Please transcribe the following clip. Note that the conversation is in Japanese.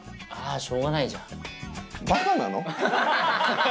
ああしようがないじゃん。